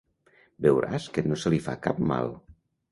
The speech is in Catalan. Veuràs que no se li fa cap mal.